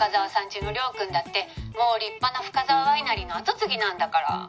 家の稜くんだってもう立派な深沢ワイナリーの後継ぎなんだから」